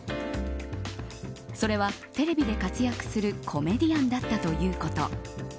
それは、テレビで活躍するコメディアンだったということ。